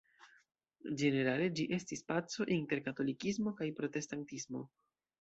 Ĝenerale ĝi estis paco inter katolikismo kaj protestantismo.